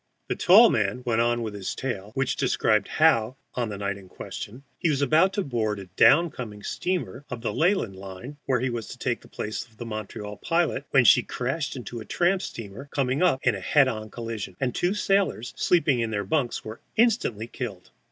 The tall man went on with his tale, which described how, on the night in question, he was about to board a down coming steamer of the Leyland line (he was to take the place of the Montreal pilot), when she crashed into a tramp steamer coming up in a head on collision, and two sailors sleeping in their bunks were instantly killed.